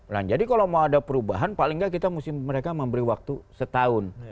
nah jadi kalau mau ada perubahan paling nggak kita mesti mereka memberi waktu setahun